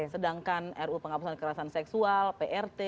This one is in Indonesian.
sedangkan ru penghapusan kekerasan seksual prt